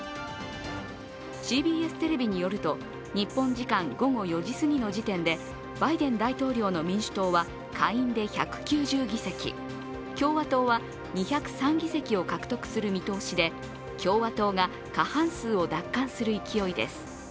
ＣＢＳテレビによると日本時間午後４時すぎの時点でバイデン大統領の民主党は下院で１９０議席、共和党は２０３議席を獲得する見通しで共和党が過半数を奪還する勢いです。